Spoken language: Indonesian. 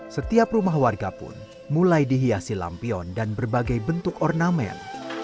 setiap rumah warga pun mulai dihiasi lampion dan berbagai bentuk ornamen